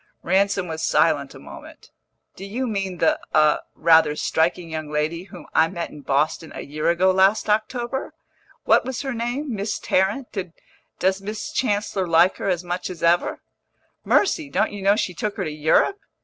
Ransom was silent a moment. "Do you mean the a rather striking young lady whom I met in Boston a year ago last October? What was her name? Miss Tarrant? Does Miss Chancellor like her as much as ever?" "Mercy! don't you know she took her to Europe?